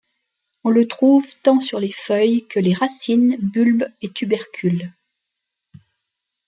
On le trouve tant sur les feuilles que les racines, bulbes et tubercules.